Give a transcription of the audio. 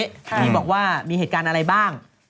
ที่บอกว่ามีเหตุการณ์อะไรบ้าง